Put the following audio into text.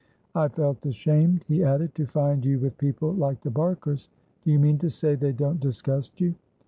"I felt ashamed," he added, "to find you with people like the Barkers. Do you mean to say they don't disgust you?"